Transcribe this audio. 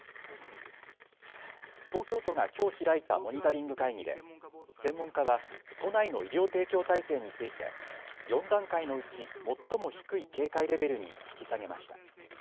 東京都がきょう開いたモニタリング会議で専門家は都内の医療提供体制について４段階のうち最も低い警戒レベルに引き下げました。